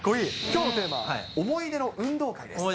きょうのテーマは、思い出の運動会です。